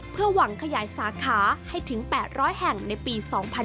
เพื่อหวังขยายสาขาให้ถึง๘๐๐แห่งในปี๒๕๕๙